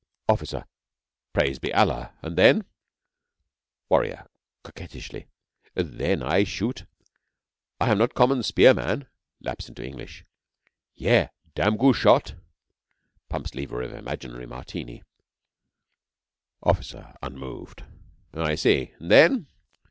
OFFICER. Praised be Allah! And then? WARRIOR (coquettishly). Then, I shoot. I am not a common spear man. (Lapse into English.) Yeh, dam goo' shot! (pumps lever of imaginary Martini). OFFICER (unmoved). I see. And then?